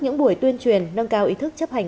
những buổi tuyên truyền nâng cao ý thức chấp hành